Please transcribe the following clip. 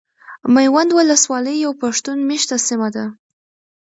ميوند ولسوالي يو پښتون ميشته سيمه ده .